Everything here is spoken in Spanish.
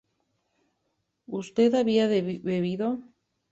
usted había bebido